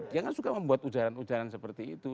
dia kan suka membuat ujaran ujaran seperti itu